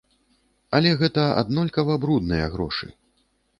Але гэта аднолькава брудныя грошы.